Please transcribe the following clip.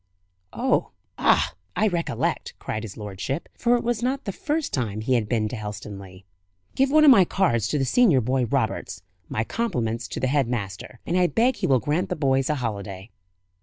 "Oh, ah, I recollect," cried his lordship for it was not the first time he had been to Helstonleigh. "Give one of my cards to the senior boy, Roberts. My compliments to the head master, and I beg he will grant the boys a holiday."